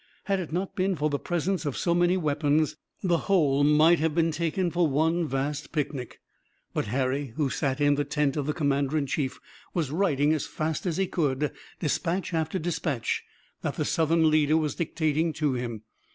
Had it not been for the presence of so many weapons the whole might have been taken for one vast picnic, but Harry, who sat in the tent of the commander in chief, was writing as fast as he could dispatch after dispatch that the Southern leader was dictating to him.